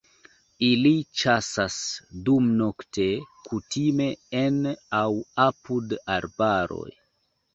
Ili ĉasas dumnokte, kutime en aŭ apud arbaroj.